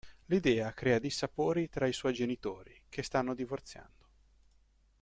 L'idea crea dissapori tra i suoi genitori che stanno divorziando.